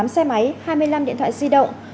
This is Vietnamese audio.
một mươi tám xe máy hai mươi năm điện thoại di động